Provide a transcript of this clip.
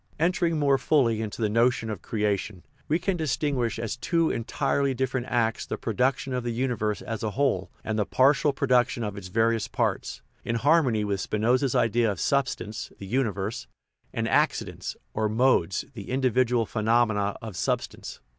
Entering more fully into the notion of creation, we can distinguish as two entirely different acts the prq duction of the universe as a whole and the partial pro duction of its various parts, in harmony with Spinoza's 234 THE EVOLUTION OF THE WORLD idea of substance (the universe) and accidents (or modes, the individual phenomena of substance).